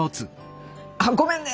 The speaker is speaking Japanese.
あっごめんね！